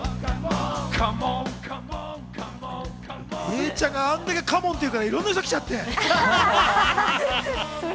永ちゃんがあれだけカモンって言うからいろんな人が来ちゃって。